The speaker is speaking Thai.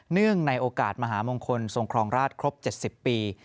เนื่องในโอกาสมหามงคลทรงครองราชครบ๗๐ปี